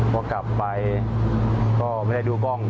พอกลับไปก็ไม่ได้ดูกล้อง